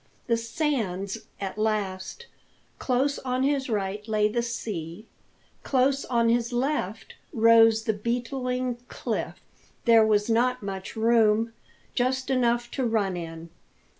The sands at last! Close on his right lay the sea, close on his left rose the beetling cliff. There was not much room just enough to run in.